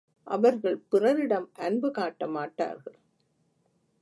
அவர்கள் பிறரிடம் அன்பு காட்டமாட்டார்கள்.